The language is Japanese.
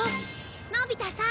のび太さん。